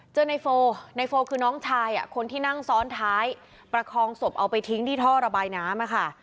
เจอในโฟในโฟคือน้องชายคนที่นั่งซ้อนท้ายประคองศพเอาไปทิ้งที่ท่อระบายน้ำค่ะ